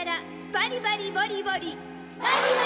バリバリボリボリ。